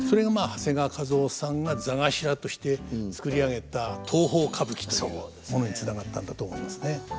長谷川一夫さんが座頭として作り上げた東宝歌舞伎というものにつながったんだと思いますね。